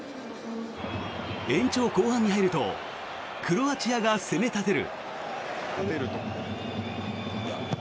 延長後半に入るとクロアチアが攻め立てる。